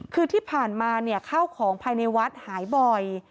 คือที่ผ่านมาข้าวของภายในวัดหายบ่อย